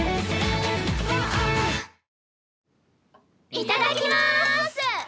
いただきます！